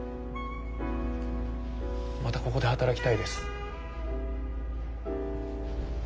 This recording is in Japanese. またここで働きたいです。